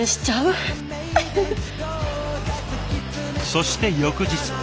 そして翌日。